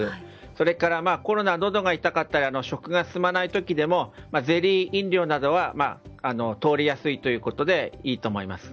それからコロナでのどが痛かったり食が進まない時でもゼリー飲料などは通りやすいということでいいと思います。